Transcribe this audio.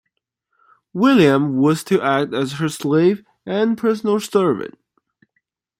William was to act as her slave and personal servant.